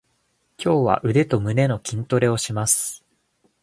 今日は腕と胸の筋トレをします。